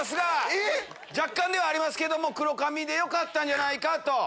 えっ⁉若干ではありますけども黒髪でよかったんじゃないかと。